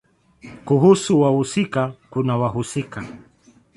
Kuhusu wahusika kuna wahusika